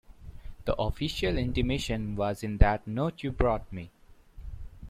The official intimation was in that note you brought me.